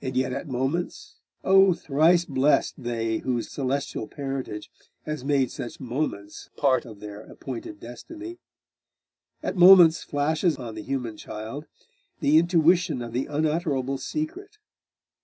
And yet at moments oh! thrice blessed they whose celestial parentage has made such moments part of their appointed destiny at moments flashes on the human child the intuition of the unutterable secret.